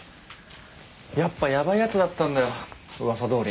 やっぱヤバいやつだったんだよ噂どおり。